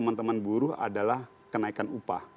teman teman buruh adalah kenaikan upah